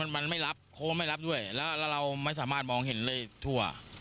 พลิกมาเลยผมว่าเร็ว